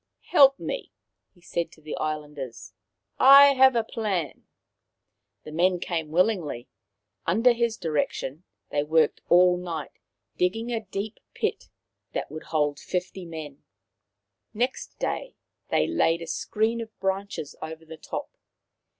" Help me," he said to the islanders. " I have a plan." The men came willingly. Under his direction they worked all night, digging a deep pit that i74 Maoriland Fairy Tales would hold fifty men. Next day they laid a screen of branches over the top.